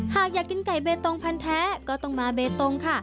หากอยากกินไก่เบตงพันธ์แท้ก็ต้องมาเบตงค่ะ